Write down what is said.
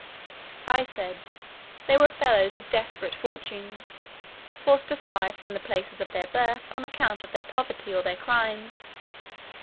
I said, "they were fellows of desperate fortunes, forced to fly from the places of their birth on account of their poverty or their crimes.